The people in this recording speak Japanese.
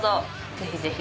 ぜひぜひ。